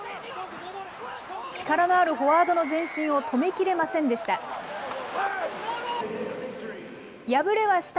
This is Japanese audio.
力のあるフォワードの前進を止めきれませんでした。